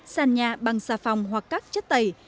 sàn nhà bằng xà phòng hoặc các chất tẩy